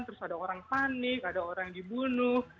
terus ada orang panik ada orang dibunuh